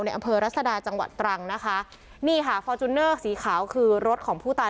อำเภอรัศดาจังหวัดตรังนะคะนี่ค่ะฟอร์จูเนอร์สีขาวคือรถของผู้ตาย